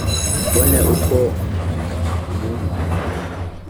mbone uko nywunywa".